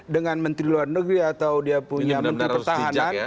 dengan menteri luar negeri atau dia punya menteri pertahanan